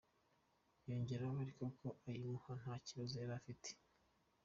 Yongeraho ariko ko ayimuha nta kibazo yari ifite.